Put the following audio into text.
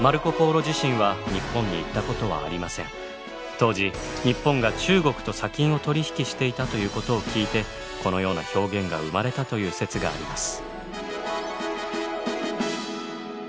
当時日本が中国と砂金を取り引きしていたということを聞いてこのような表現が生まれたという説があります。